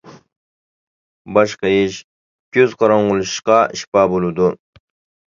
باش قىيىش، كۆز قاراڭغۇلىشىشقا شىپا بولىدۇ.